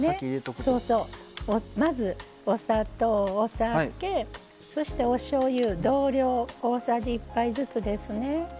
まず、お砂糖、お酒そして、おしょうゆ同量大さじ１杯ずつですね。